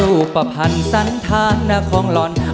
รูปภัณฑ์สันทานหน้าของหล่อน